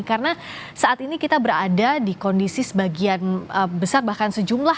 karena saat ini kita berada di kondisi sebagian besar bahkan sejumlah